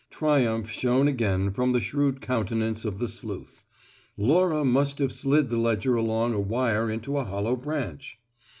Triumph shown again from the shrewd countenance of the sleuth: Laura must have slid the ledger along a wire into a hollow branch.